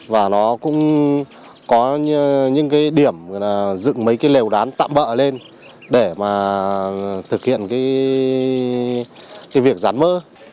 và nó cũng có những cái điểm là dựng mấy cái lều đán tạm bỡ lên để mà thực hiện cái việc dán mỡ